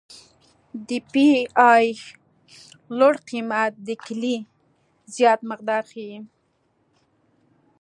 د پی ای لوړ قیمت د کلې زیات مقدار ښیي